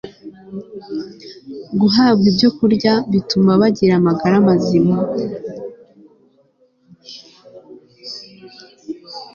guhabwa ibyokurya bituma bagira amagara mazima